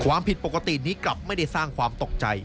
ความผิดปกตินี้กลับไม่ได้สร้างความตกใจ